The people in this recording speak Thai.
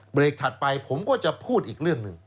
เบรกถัดไปผมก็จะพูดอีกเรื่องหนึ่ง